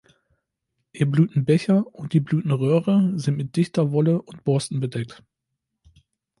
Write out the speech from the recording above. Ihr Blütenbecher und die Blütenröhre sind mit dichter Wolle und Borsten bedeckt.